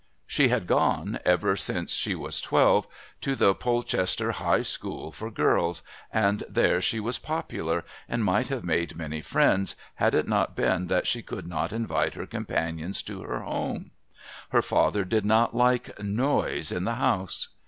She had gone, ever since she was twelve, to the Polchester High School for Girls, and there she was popular, and might have made many friends, had it not been that she could not invite her companions to her home. Her father did not like "noise in the house."